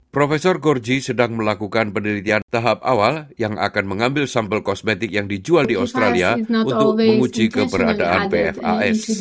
profesor gorji sedang melakukan penelitian tahap awal yang akan mengambil sampel kosmetik yang dijual di australia untuk menguji keberadaan pfas